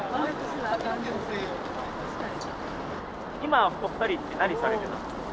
今お二人って何されてますか？